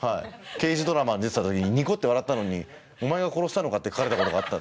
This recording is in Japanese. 刑事ドラマに出てた時にニコって笑ったのにお前が殺したのかって書かれたことがあった。